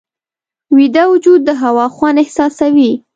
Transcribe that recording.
ویده وجود د هوا خوند احساسوي